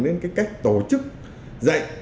đến cái cách tổ chức dạy